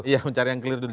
ya mencari yang clear dulu